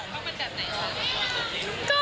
ว่ามันแบบไหนคะ